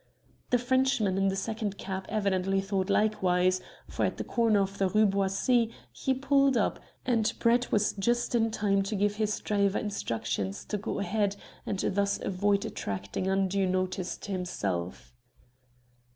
The Frenchman in the second cab evidently thought likewise, for, at the corner of the Rue Boissy he pulled up, and Brett was just in time to give his driver instructions to go ahead and thus avoid attracting undue notice to himself.